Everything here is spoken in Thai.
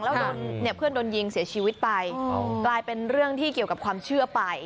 แล้วโดนเนี่ยเพื่อนโดนยิงเสียชีวิตไปกลายเป็นเรื่องที่เกี่ยวกับความเชื่อไป